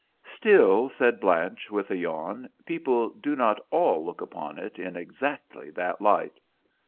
"Still," said Blanche, with a yawn, "people do not all look upon it in exactly that light."